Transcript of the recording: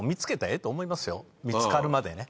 見つかるまでね。